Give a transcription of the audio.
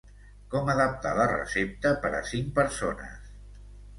Com adaptar la recepta per a cinc persones?